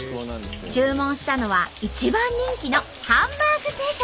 注文したのは一番人気のハンバーグ定食。